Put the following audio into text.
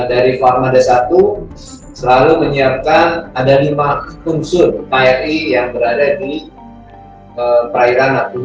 dari formada satu selalu menyiapkan ada lima unsur kri yang berada di perairan natuna